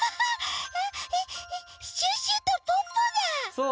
そう。